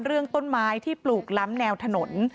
เรื่องต้นไม้ที่ปลูกล้ำแนวถนน